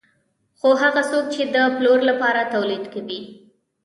خو هغه څوک چې د پلور لپاره تولید کوي